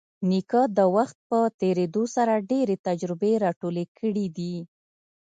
نیکه د وخت په تېرېدو سره ډېرې تجربې راټولې کړي دي.